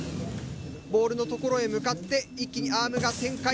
ボールのところへ向かって一気にアームが展開。